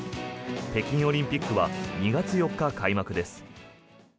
北京オリンピックは２月４日開幕です。